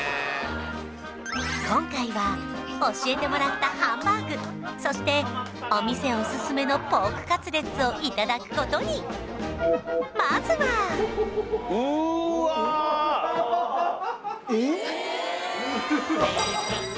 今回は教えてもらったハンバーグそしてお店オススメのポークカツレツをいただくことにうわ！えっ！？え！